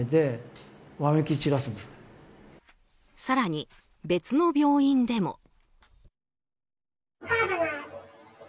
更に別の病院でも。